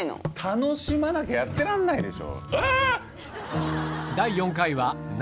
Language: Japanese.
楽しまなきゃやってらんないでしょハァ！